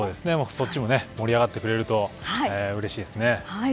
そっちも盛り上がってくれるとそうですね。